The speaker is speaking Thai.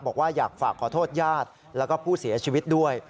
บอกว่าอยากฝากขอโทษญาติแล้วก็ผู้เสียชีวิตด้วย